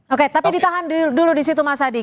oke tapi ditahan dulu di situ mas adi